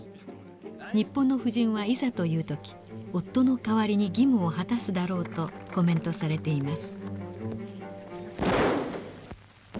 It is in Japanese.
日本の婦人はいざという時夫の代わりに義務を果たすだろうとコメントされています。